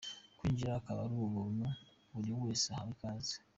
Kwinjira akaba ari ubuntu, buri wese ahawe ikaze.